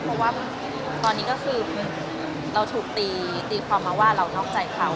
เพราะว่าตอนนี้ก็คือเราถูกตีความมาว่าเรานอกใจเขา